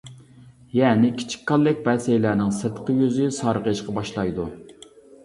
يەنى كىچىك كاللەك بەسەيلەرنىڭ سىرتقى يۈزى سارغىيىشقا باشلايدۇ.